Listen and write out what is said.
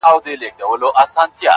نوی منبر به جوړوو زاړه یادونه سوځو!.